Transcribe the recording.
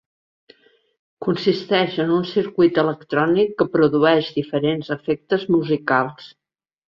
Consisteix en un circuit electrònic que produeix diferents efectes musicals.